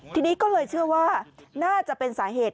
ทีนี้ก็เลยเชื่อว่าน่าจะเป็นสาเหตุ